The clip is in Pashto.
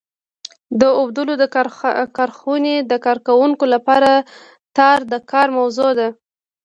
د اوبدلو د کارخونې د کارکوونکو لپاره تار د کار موضوع ده.